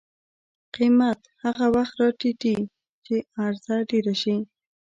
قیمت هغه وخت راټیټي چې عرضه ډېره شي.